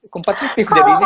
kompasitif jadinya ya